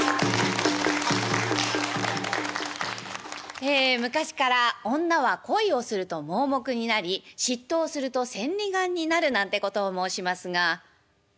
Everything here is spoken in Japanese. ええ昔から「女は恋をすると盲目になり嫉妬をすると千里眼になる」なんてことを申しますが。